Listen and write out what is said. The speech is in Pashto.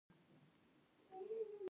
دا د استهلاکي اسطورو محصول دی.